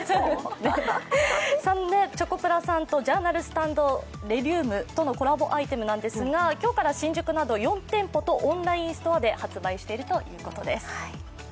そんなチョコプラさんとＪＯＵＲＮＡＬＳＴＡＮＤＡＲＤｒｅｌｕｍｅとのコラボアイテムなんですが今日から新宿など４店舗とオンラインストアで発売しているということです。